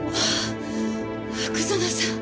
福園さん。